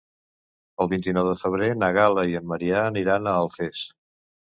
El vint-i-nou de febrer na Gal·la i en Maria aniran a Alfés.